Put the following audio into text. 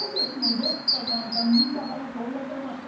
どっか旦さんに似てはると思てましてん。